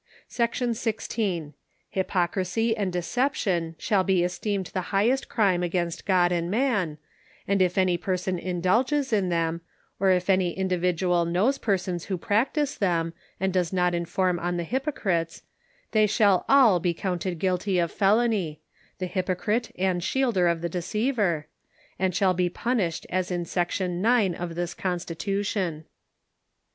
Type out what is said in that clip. Section XVI. Hypocrisy and deception shall be es teemed the highest crime against God and man, and if any person indulges in them, or if any individual knows per sons who practise them, and does not inform on the hypo crites, they shall all be counted guilty of felony,— tlie hypo crite and shielder of the deceiver,— and shall be punished as in section nine of this constitution.